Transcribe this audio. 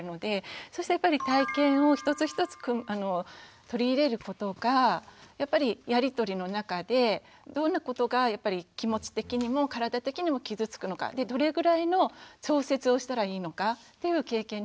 そうすると体験を一つ一つ取り入れることがやっぱりやり取りの中でどんなことが気持ち的にも体的にも傷つくのかどれぐらいの調節をしたらいいのかっていう経験になっていくと思います。